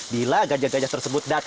bila gajah gajah tersebut datang